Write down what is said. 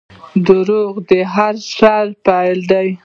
• دروغ د هر شر پیل دی.